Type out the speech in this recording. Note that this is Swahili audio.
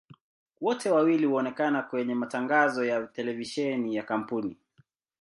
Wote wawili huonekana kwenye matangazo ya televisheni ya kampuni.